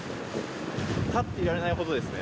立っていられないほどですね。